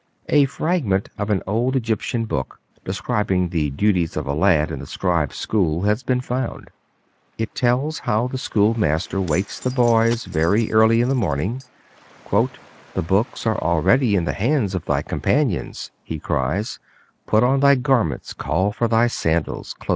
A fragment of an old Egyptian book describing the duties of a lad in the scribes' school has been found. It tells how the schoolmaster wakes the boys very early in the morning. 'The books are already in the hands of thy companions,' he cries; 'put on thy garments, call for thy sandals.'